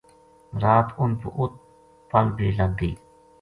رات اُنھ پو اُت پل بے لگ گئی